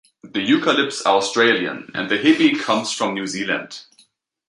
The eucalypts are Australian; and the hebe comes from New Zealand.